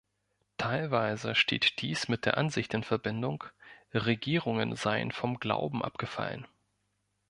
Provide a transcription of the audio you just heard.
Teilweise steht dies mit der Ansicht in Verbindung, Regierungen seien vom Glauben abgefallen.